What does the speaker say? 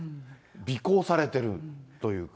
尾行されてるというか。